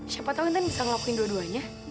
siapa tau nanti bisa ngelakuin dua duanya